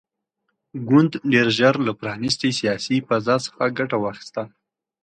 ګوند ډېر ژر له پرانیستې سیاسي فضا څخه ګټه واخیسته.